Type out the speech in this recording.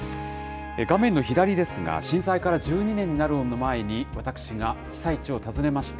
画面の左ですが、震災から１２年になるのを前に、私が被災地を訪ねました。